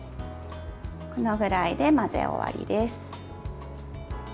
このぐらいで混ぜ終わりです。